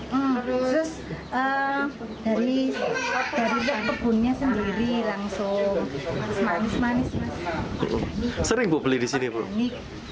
terus dari pebunnya sendiri langsung manis manis